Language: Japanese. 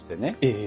ええ。